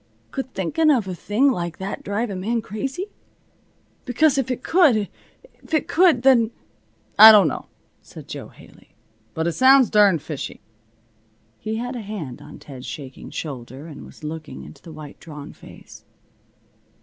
Could thinking of a thing like that drive a man crazy? Because if it could if it could then " "I don't know," said Jo Haley, "but it sounds darned fishy." He had a hand on Ted's shaking shoulder, and was looking into the white, drawn face.